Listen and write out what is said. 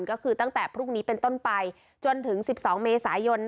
ก็คือตั้งแต่พรุ่งนี้เป็นต้นไปจนถึง๑๒เมษายน